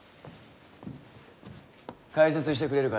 解説してくれるかな？